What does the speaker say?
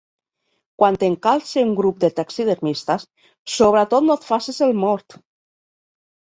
Quan t'encalce un grup de taxidermistes, sobretot no et faces el mort!